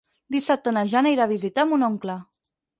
Dissabte na Jana irà a visitar mon oncle.